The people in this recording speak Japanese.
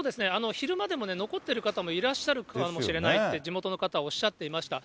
昼間でも残ってる方もいらっしゃるかもしれないって、地元の方、おっしゃっていました。